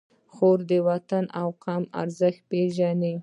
خور د وطن او قوم ارزښت پېژني.